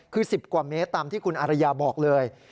คือ๑๐กว่าเมตรตามที่คุณอารยาบอกเลย